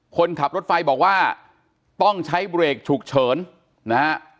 คนขับรถไฟบอกว่าต้องใช้เบรกฉุกเฉินนะฮะ